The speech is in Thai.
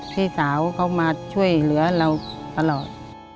พี่สาวเขามาช่วยเหลือเราตลอด